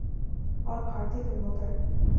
اور بھارتی فلموں پر